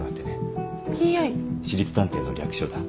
私立探偵の略称だ。